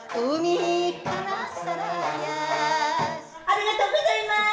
ありがとうございます！